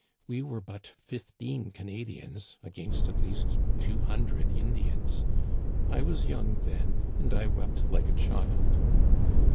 We were but fifteen Canadians, against at least two hundred Indians. I was young then, and I wept like a child.